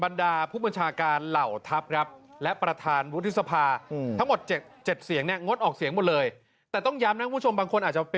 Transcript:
บรรดาภูมิชาการเหล่าทัพรับและประธานยุทธภา